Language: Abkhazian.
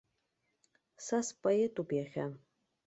Са споетуп иахьа!